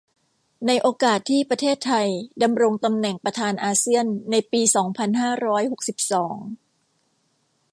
ในโอกาสที่ประเทศไทยดำรงตำแหน่งประธานอาเซียนในปีสองพันห้าร้อยหกสิบสอง